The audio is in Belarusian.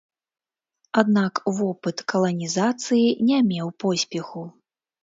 Аднак вопыт каланізацыі не меў поспеху.